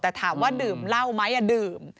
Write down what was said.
แต่ถามว่าดื่มเหล้าไหมดื่ม